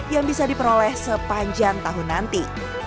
yang bisa diperoleh sepanjang tahun nanti